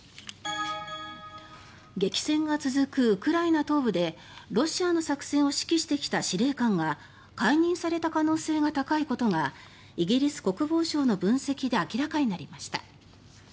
激戦が続くウクライナ東部でロシアの作戦を指揮してきた司令官が解任された可能性が高いことがイギリス国防省の分析で明らかになりました。